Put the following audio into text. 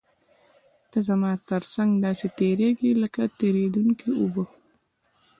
ته زما تر څنګ داسې تېرېږې لکه تېرېدونکې اوبه.